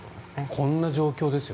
こんな状況ですよ